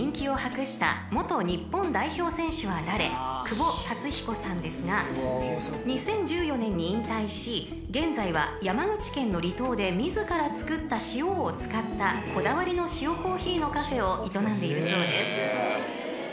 ［久保竜彦さんですが２０１４年に引退し現在は山口県の離島で自ら作った塩を使ったこだわりの塩コーヒーのカフェを営んでいるそうです］